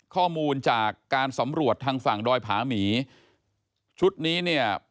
ข้อมูลจากการสำรวจทางฝั่งดอยผาหมีชุดนี้เนี่ย